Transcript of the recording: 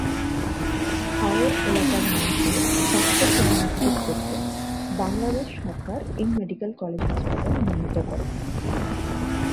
হাওর এলাকার মানুষের স্বাস্থ্যসেবা নিশ্চিত করতে বাংলাদেশ সরকার এই মেডিকেল কলেজ হাসপাতাল নির্মিত করে।